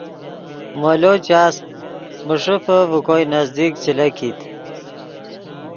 مولو چاس من ݰیفے ڤے کوئے نزدیک چے لکیت